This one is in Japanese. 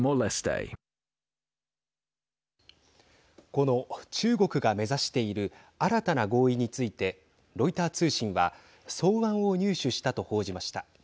この中国が目指している新たな合意についてロイター通信は草案を入手したと報じました。